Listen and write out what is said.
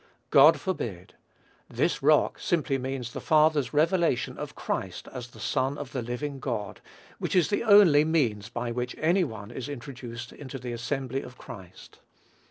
God forbid. "This rock" [Greek: tautê tê petra] simply means the Father's revelation of Christ as the Son of the living God, which is the only means by which any one is introduced into the assembly of Christ.